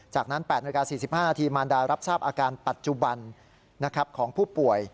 จากนั้น๘นาฬิกา๔๕นาทีมารดารับทราบอาการปัจจุบันของผู้ป่วย